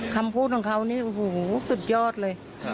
คำพูดของเขานี่โอ้โหสุดยอดเลย